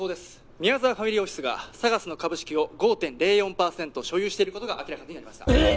宮沢ファミリーオフィスがＳＡＧＡＳの株式を５．０４％所有していることが明らかになりましたえっ！？